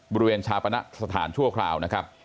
บริเวณชาปณะสถานชั่วคราวนะครับ